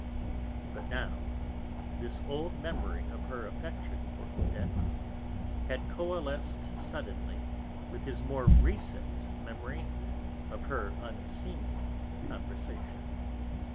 But now this old memory of her affection for Odette had coalesced suddenly with his more recent memory of her unseemly conversation.